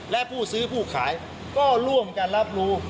และผู้ซื้อผู้ขายก็ร่วมกันรับรู้